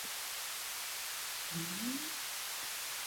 现教香港荃湾区重点青年军。